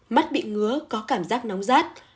mắt bị ngứa có cảm giác nóng rát